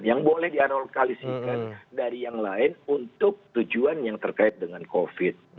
yang boleh dialokalisikan dari yang lain untuk tujuan yang terkait dengan covid